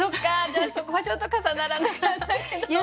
じゃあそこはちょっと重ならなかったかな。